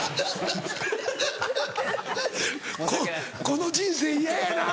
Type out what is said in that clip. ここの人生嫌やな。